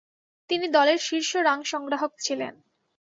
তিনি দলের শীর্ষ রান সংগ্রাহক ছিলেন।